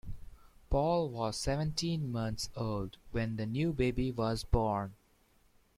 Paul was seventeen months old when the new baby was born.